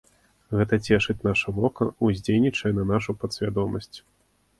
Гэта цешыць наша вока, уздзейнічае на нашу падсвядомасць.